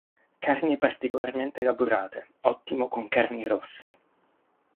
Carni particolarmente elaborate, ottimo con carni rosse.